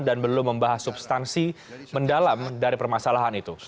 dan belum membahas substansi mendalam dari permasalahan itu